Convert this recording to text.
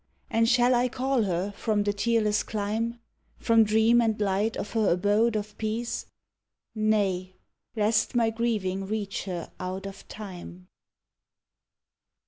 And shall I call her from the tearless clime? From dream and light of her abode of peace? Nay, lest my grieving reach her out of Time!